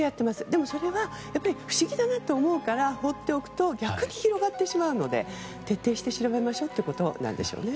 でも、それは不思議だなと思うから放っておくと逆に広まってしまうので徹底して調べましょうということなんですね。